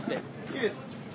いいです。